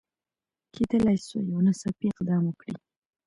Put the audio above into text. کېدلای سوای یو ناڅاپي اقدام وکړي.